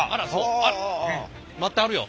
あら待ってはるよ。